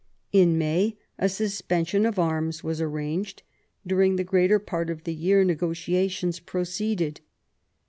In May a suspension of arms was arranged ; during the greater part of the year negotiations proceeded.